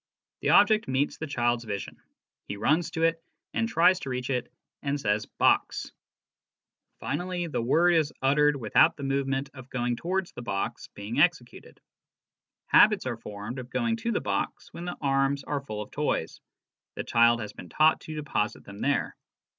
... The object meets the child's vision. He runs to it 10 BERTRAND RUSSELL. and tries to reach it and says ' box '.... Finally the word is uttered without the movement of going towards the box being executed. ... Habits are formed of going to the box when the arms are full of toys. The child has been taught to deposit them there.